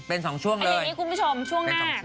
เป็น๒ช่วงเลยอันนี้คุณผู้ชมช่วงหน้า